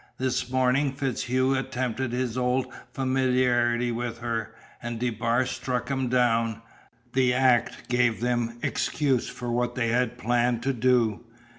"This morning FitzHugh attempted his old familiarity with her, and DeBar struck him down. The act gave them excuse for what they had planned to do.